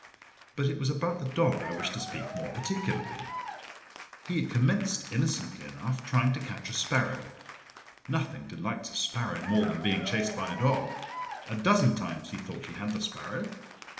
But it was about the dog I wished to speak more particularly. He had commenced innocently enough, trying to catch a sparrow. Nothing delights a sparrow more than being chased by a dog. A dozen times he thought he had the sparrow.